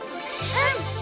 うん。